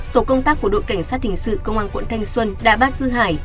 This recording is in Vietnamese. tổ công tác của đội cảnh sát hình sự công an quận thanh xuân